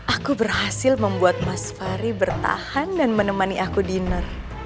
aku berhasil membuat mas fahri bertahan dan menemani aku di ner